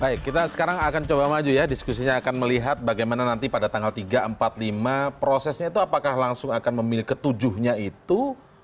baik kita sekarang akan coba maju ya diskusinya akan melihat bagaimana nanti pada tanggal tiga empat lima prosesnya itu apakah langsung akan memilih ketujuhnya itu